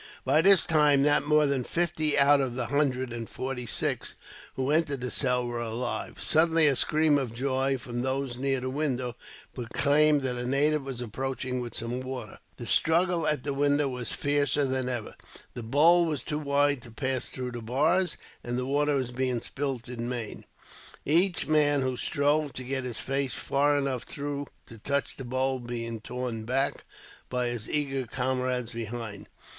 By this time, not more than fifty out of the hundred and forty six who entered the cell were alive. Suddenly a scream of joy, from those near the window, proclaimed that a native was approaching with some water. The struggle at the window was fiercer than ever. The bowl was too wide to pass through the bars, and the water was being spilt in vain; each man who strove to get his face far enough through to touch the bowl being torn back, by his eager comrades behind.